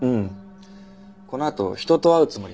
このあと人と会うつもりなんでね。